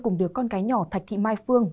cùng đứa con gái nhỏ thạch thị mai phương